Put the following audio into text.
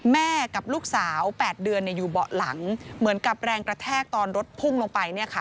กับลูกสาว๘เดือนอยู่เบาะหลังเหมือนกับแรงกระแทกตอนรถพุ่งลงไป